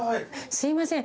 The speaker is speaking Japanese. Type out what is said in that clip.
すいません。